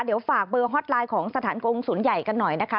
เดี๋ยวฝากเบอร์ฮอตไลน์ของสถานกงศูนย์ใหญ่กันหน่อยนะคะ